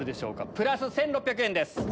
プラス１６００円です。